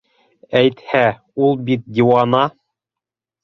Әйтһә, ул бит - диуана.